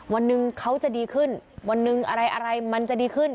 วันหนึ่งเขาจะดีขึ้นวันหนึ่งอะไรอะไรมันจะดีขึ้น